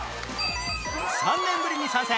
３年ぶりに参戦